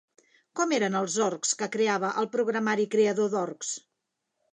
Com eren els orcs que creava el programari Creador d'Orcs?